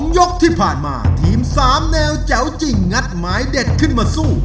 ยกที่ผ่านมาทีม๓แนวแจ๋วจริงงัดหมายเด็ดขึ้นมาสู้